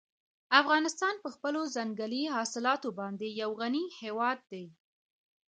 افغانستان په خپلو ځنګلي حاصلاتو باندې یو غني هېواد دی.